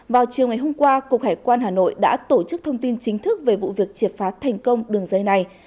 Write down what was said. vào chiều ngày hôm qua cục hải quan hà nội đã tổ chức thông tin chính thức về vụ việc triệt phá thành công đường dây này